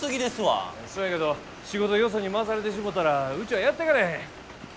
そやけど仕事よそに回されてしもたらうちはやってかれへん。